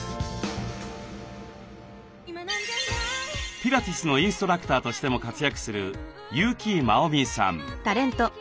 ピラティスのインストラクターとしても活躍する優木まおみさん。